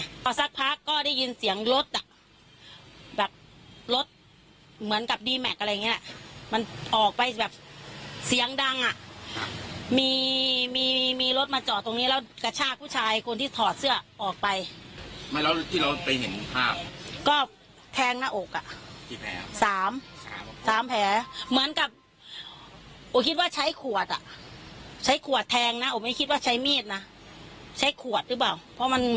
แล้วก็อาจจะไปเล่นกันอย่างเงี้ยเพราะว่าตรงนี้มันมีวัยรุ่นเปิดเพลงเสียงดังแล้วเล่นกันอย่างเงี้ยเพราะว่าตรงนี้มันมีวัยรุ่นเปิดเพลงเสียงดังแล้วเล่นกันอย่างเงี้ยเพราะว่าตรงนี้มันมีวัยรุ่นเปิดเพลงเสียงดังแล้วเล่นกันอย่างเงี้ยเพราะว่าตรงนี้มันมีวัยรุ่นเปิดเพลงเสียงดังแล้ว